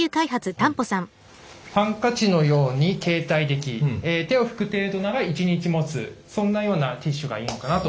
ハンカチのように携帯でき手を拭く程度なら１日もつそんなようなティッシュがいいのかなと。